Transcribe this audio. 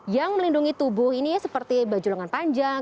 yang melindungi tubuh ini seperti baju lengan panjang